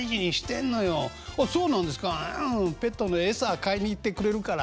ペットの餌買いに行ってくれるから」